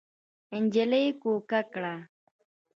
نجلۍ کوکه کړه.